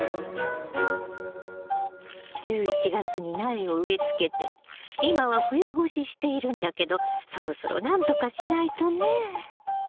１１月に苗を植えつけて今は冬越ししているんだけどそろそろなんとかしないとね。